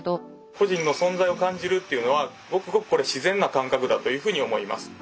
個人の存在を感じるっていうのはごくごくこれ自然な感覚だというふうに思います。